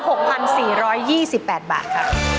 หรือว่า๖๔๒๘บาทครับ